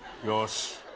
よし。